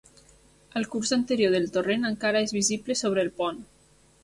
El curs anterior del torrent encara és visible sobre el pont.